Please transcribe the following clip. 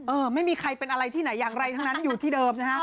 เออไม่มีใครเป็นอะไรที่ไหนอย่างไรทั้งนั้นอยู่ที่เดิมนะฮะ